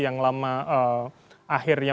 yang lama akhirnya